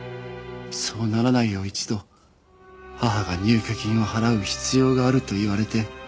そうならないよう一度母が入居金を払う必要があると言われて。